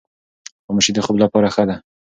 خاموشي د خوب لپاره ښه ده.